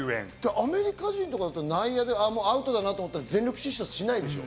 アメリカ人とかだと、内野でアウトだと思ったら全力疾走しないでしょう？